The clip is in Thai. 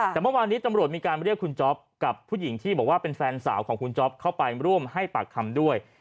แต่เมื่อวานนี้ตำรวจมีการเรียกคุณจ๊อปกับผู้หญิงที่บอกว่าเป็นแฟนสาวของคุณจ๊อปเข้าไปร่วมให้ปากคำด้วย